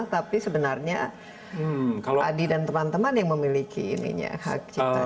tapi sebenarnya adi dan teman teman yang memiliki hak cipta